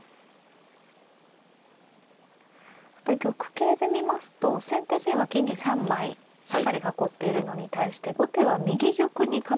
玉形で見ますと先手陣は金銀３枚しっかり囲っているのに対して後手は右玉に構えて。